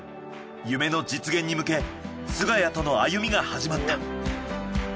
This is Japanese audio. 夢の実現に向け菅谷との歩みが始まった。